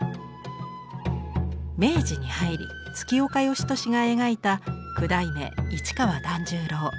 明治に入り月岡芳年が描いた九代目市川団十郎。